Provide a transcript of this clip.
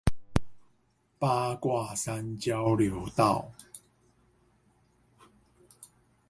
八卦山交流道